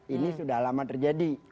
ini sudah lama terjadi